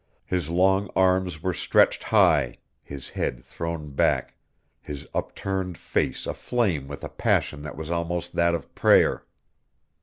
His long arms were stretched high, his head thrown back, his upturned face aflame with a passion that was almost that of prayer.